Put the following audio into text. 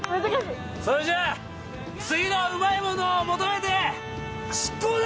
それじゃあ次のウマイものを求めて出航だ！